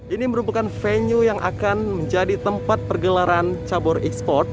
ini merupakan venue yang akan menjadi tempat pergelaran cabur e sport